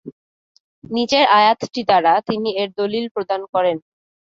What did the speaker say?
নিচের আয়াতটি দ্বারা তিনি এর দলীল প্রদান করেন।